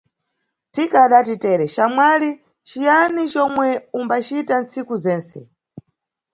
Thika adati tere, xamwali ciyani comwe umbacita tsiku zense?